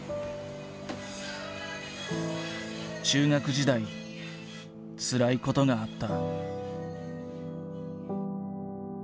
中学時代つらいことがあった。